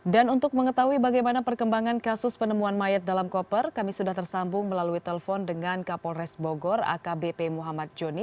dan untuk mengetahui bagaimana perkembangan kasus penemuan mayat dalam koper kami sudah tersambung melalui telepon dengan kapolres bogor akbp muhammad joni